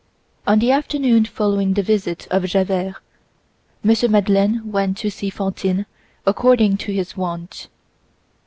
On the afternoon following the visit of Javert, M. Madeleine went to see Fantine according to his wont.